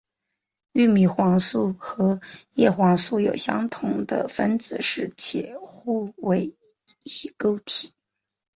玉米黄素和叶黄素有相同的分子式且互为异构体。